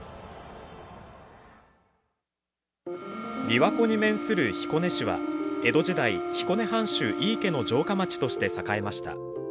びわ湖に面する彦根市は江戸時代、彦根藩主・井伊家の城下町として栄えました。